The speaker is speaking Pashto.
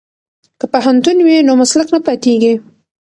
که پوهنتون وي نو مسلک نه پاتیږي.